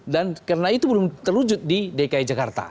dan karena itu belum terwujud di dki jakarta